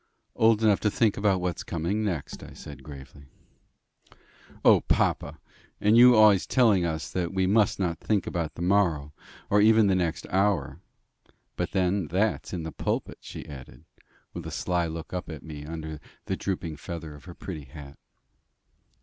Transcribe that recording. "Old enough to think about what's coming next," I said gravely. "O, papa! And you are always telling us that we must not think about the morrow, or even the next hour. But, then, that's in the pulpit," she added, with a sly look up at me from under the drooping feather of her pretty hat.